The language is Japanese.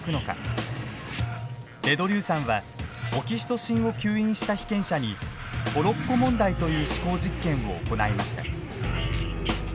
デ・ドリューさんはオキシトシンを吸引した被験者にトロッコ問題という思考実験を行いました。